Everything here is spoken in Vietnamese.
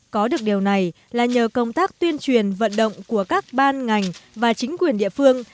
có được điều này là nhờ công tác tuyên truyền vận động của các ban ngành và chính quyền địa phương